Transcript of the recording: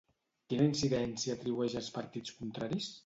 Quina incidència atribueix als partits contraris?